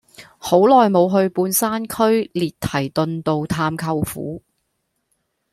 好耐無去半山區列堤頓道探舅父